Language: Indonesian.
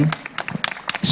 kebetulan sedang penelitian